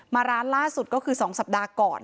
มาร้านล่าสุดก็คือ๒สัปดาห์ก่อน